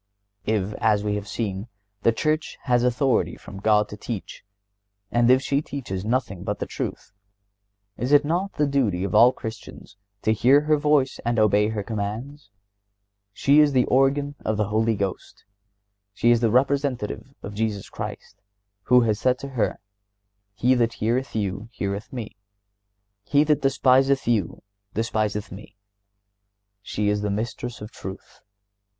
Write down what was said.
If, as we have seen, the Church has authority from God to teach, and if she teaches nothing but the truth, is it not the duty of all Christians to hear her voice and obey her commands? She is the organ of the Holy Ghost. She is the Representative of Jesus Christ, who has said to her: "He that heareth you heareth Me; he that despiseth you despiseth Me." She is the Mistress of truth.